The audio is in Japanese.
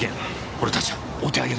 俺たちはお手上げだ。